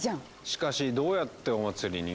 しかしどうやってお祭りに？